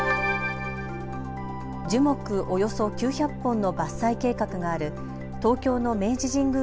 樹木およそ９００本の伐採計画がある東京の明治神宮